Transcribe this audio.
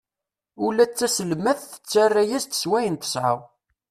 Ula d taselmadt tettara-yas-d s wayen tesɛa.